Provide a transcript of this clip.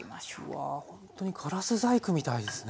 うわほんとにガラス細工みたいですね。